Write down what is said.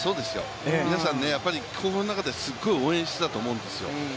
皆さん心の中ではすっごい応援してたと思うんですよ。